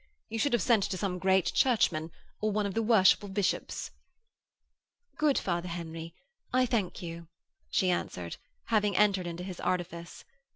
You should have sent to some great Churchman or one of the worshipful bishops.' 'Good Father Henry, I thank you,' she answered, having entered into his artifice.